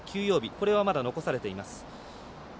これはまだ残されています。